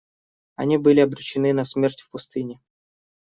Они были обречены на смерть в пустыне.